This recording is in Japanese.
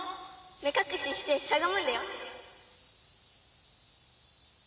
目隠ししてしゃがむんだよ！